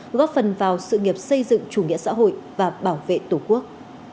góp phần vào sự nghiệp xây dựng chủ nghĩa xã hội và bảo vệ tổ quốc